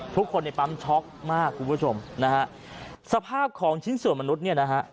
ทุกคนในปั๊มช็อกมากคุณผู้ชมนะฮะสภาพของชิ้นส่วนมนุษย์เนี่ยนะฮะ